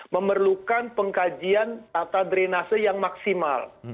memerlukan pengkajian tata drenase yang maksimal